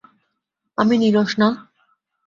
আমি নীরস না?